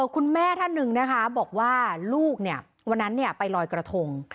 คุณแม่ท่านหนึ่งนะคะบอกว่าลูกวันนั้นไปลอยกระทง